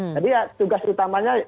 jadi ya tugas utamanya